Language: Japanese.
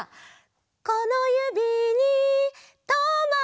「このゆびにとまれ」